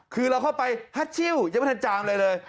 คือเราเข้าไปฮัชชิลยังไม่ทันจามอะไรเลย